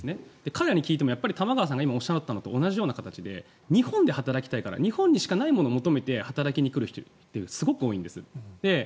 彼らに聞いても玉川さんがおっしゃったことと同じように日本にしかないものを求めて働きに来る人がすごく多いんです。